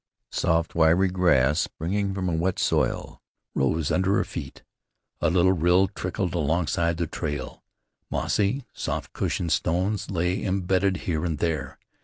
Soft, wiry grass, springing from a wet soil, rose under her feet. A little rill trickled alongside the trail. Mossy, soft cushioned stones lay imbedded here and there.